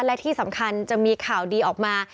และที่สำคัญจะมีข่าวดีออกมา